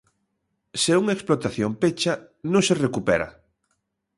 Se unha explotación pecha non se recupera.